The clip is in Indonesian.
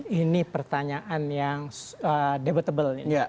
ini pertanyaan yang debatable